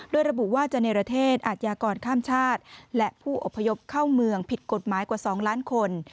โดยระบุว่าจะเนรเทศอาชญากรข้ามชาติและผู้อพยพเข้าเมืองผิดกฎหมายกว่า๒ล้านคน